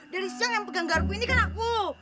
dari siang yang pegang garku ini kan aku